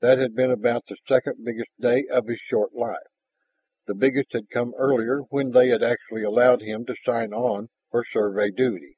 That had been about the second biggest day of his short life; the biggest had come earlier when they had actually allowed him to sign on for Survey duty.